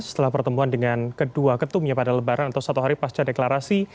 setelah pertemuan dengan kedua ketumnya pada lebaran atau satu hari pasca deklarasi